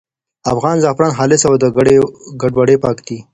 افغان زعفران خالص او له ګډوډۍ پاک دي.